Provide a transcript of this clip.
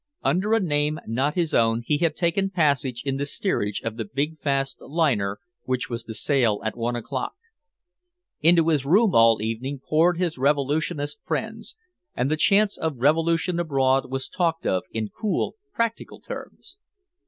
Under a name not his own he had taken passage in the steerage of the big fast liner which was to sail at one o'clock. Into his room all evening poured his revolutionist friends, and the chance of revolution abroad was talked of in cool practical terms.